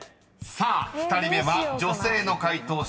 ［さあ２人目は女性の解答者